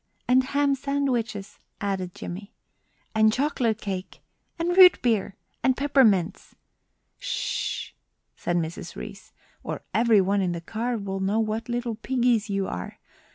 "And ham sandwiches!" added Jimmie. "And chocolate cake!" "And root beer!" "And peppermints!" "Ssh!" said Mrs. Reece, "or every one in the car will know what little piggies you are.